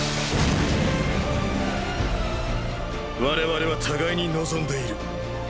我々は互いに望んでいる。